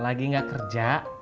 lagi ga kerja